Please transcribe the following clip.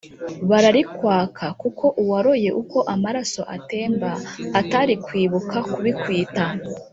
bararikwaka kuko uwaroye uko amaraso atemba atari kwibuka kubikwita...